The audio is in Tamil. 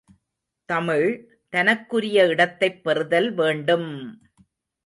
தமிழ், தனக்குரிய இடத்தைப் பெறுதல் வேண்டும்!